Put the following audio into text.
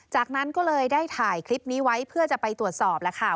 จากนั้นก็เลยได้ถ่ายคลิปนี้ไว้เพื่อจะไปตรวจสอบแล้วค่ะ